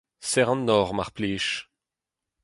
Serr an nor, mar plij.